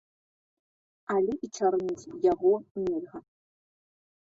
Але і чарніць яго нельга.